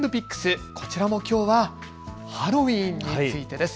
こちらもきょうはハロウィーンについてです。